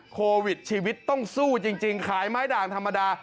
โควิดชีวิตต้องสู้จริงขายไม้ด่างธรรมดา